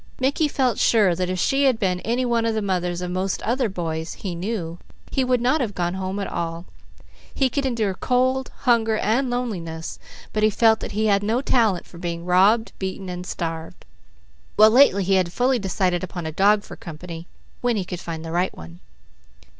Mickey felt sure that if she had been any one of the mothers of most other boys he knew, he would not have gone home at all. He could endure cold, hunger, and loneliness, but he felt that he had no talent for being robbed, beaten, and starved; while lately he had fully decided upon a dog for company, when he could find the right one.